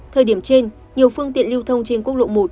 thời điểm trên nhiều phương tiện lưu thông trên quốc lộ một